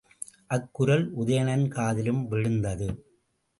அக் குரல் உதயணன் காதிலும் விழுந்தது.